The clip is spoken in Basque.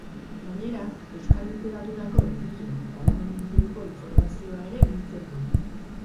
Gainera, euskal literaturako egile eta lanen inguruko informazioa ere biltzen du.